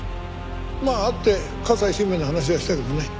まあ会って加西周明の話はしたけどね。